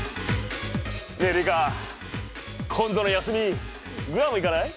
ねえリカ今度の休みグアム行かない？